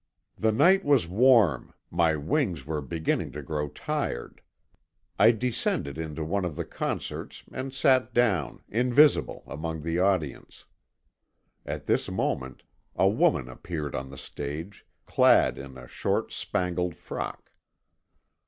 "The night was warm, my wings were beginning to grow tired. I descended into one of the concerts and sat down, invisible, among the audience. At this moment, a woman appeared on the stage, clad in a short spangled frock.